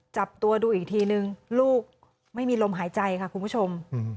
จับตัวดูอีกทีนึงลูกไม่มีลมหายใจค่ะคุณผู้ชม